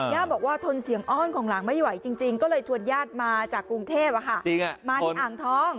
บอกว่าทนเสียงอ้อนของหลังไม่ไหวจริงก็เลยชวนญาติมาจากกรุงเทพมาที่อ่างทอง